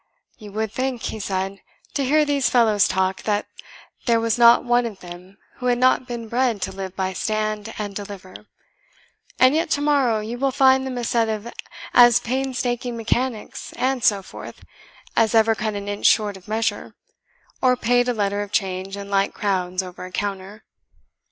"You would think," he said, "to hear these fellows talk, that there was not one of them who had not been bred to live by Stand and Deliver; and yet tomorrow you will find them a set of as painstaking mechanics, and so forth, as ever cut an inch short of measure, or paid a letter of change in light crowns over a counter.